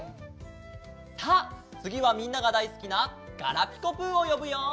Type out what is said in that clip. さあつぎはみんながだいすきなガラピコぷをよぶよ。